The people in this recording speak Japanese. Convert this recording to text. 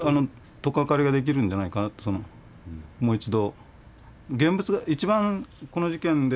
とっかかりができるんじゃないかなともう一度。